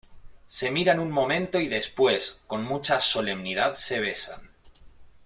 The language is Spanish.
Se miran un momento y después, con mucha solemnidad, se besan.